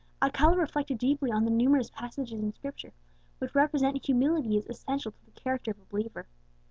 Alcala reflected deeply on the numerous passages in Scripture which represent humility as essential to the character of a believer.